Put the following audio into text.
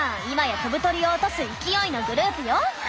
今や飛ぶ鳥を落とす勢いのグループよ。